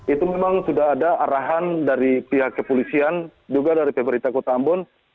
itu memang sudah ada arahan dari pihak kepolisian juga dari pemerintah kota ambon